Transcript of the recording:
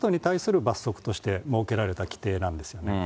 その人に対する罰則として設けられた規定なんですよね。